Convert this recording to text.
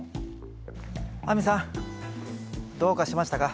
亜美さんどうかしましたか？